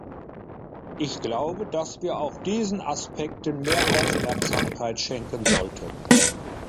Ich glaube, dass wir auch diesen Aspekten mehr Aufmerksamkeit schenken sollten.